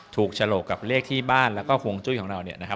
ถูกฉโหลกกับเลขที่บ้านและภูมิจุ้ยของเรา